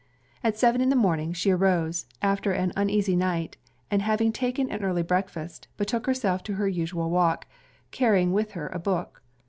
At seven in the morning, she arose, after an uneasy night, and having taken an early breakfast, betook herself to her usual walk, carrying with her a book.